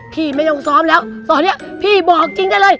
พี่ไม่ต้องซ้อมแล้วตอนนี้พี่บอกจริงได้เลย